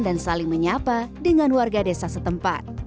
dan saling menyapa dengan warga desa setempat